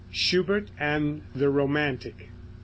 SCHUBERT AND THE ROMANTIC.